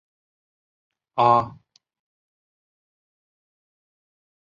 阿法埃娅。